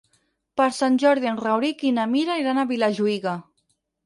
Per Sant Jordi en Rauric i na Mira iran a Vilajuïga.